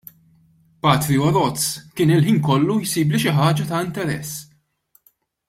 Patri Oroz kien il-ħin kollu jsibli xi ħaġa ta' interess.